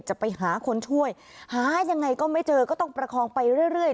จะไปหาคนช่วยหายังไงก็ไม่เจอก็ต้องประคองไปเรื่อย